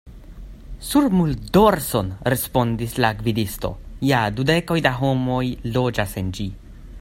Sur muldorson! respondis la gvidisto, Ja, du dekoj da homoj loĝas en ĝi.